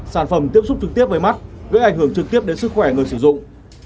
sản phẩm tiếp xúc trực tiếp với mắt gây ảnh hưởng trực tiếp đến sức khỏe người sử dụng